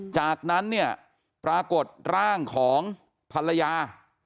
จากนั้นเนี่ยปรากฏร่างของภรรยา